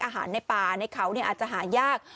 อาหารในป่าในเขาอาจจะหายาก